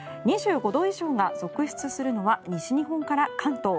２５度以上が続出するのは西日本から関東。